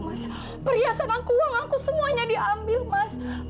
mas perhiasan aku uang aku semuanya diambil mas